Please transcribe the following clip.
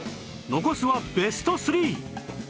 残すはベスト ３！